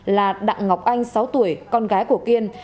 là đặng ngọc anh sáu tuổi con gái của kiên